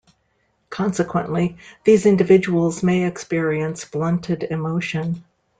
Consequently, these individuals may experience blunted emotion.